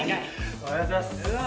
おはようございます。